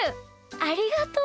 ありがとう！